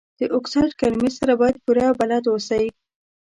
د اکسایډ کلمې سره باید پوره بلد اوسئ.